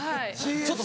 ちょっと。